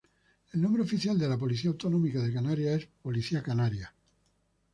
El nombre oficial de la policía autonómica de Canarias es Policía Canaria.